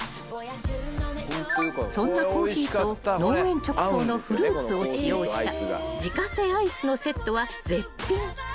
［そんなコーヒーと農園直送のフルーツを使用した自家製アイスのセットは絶品］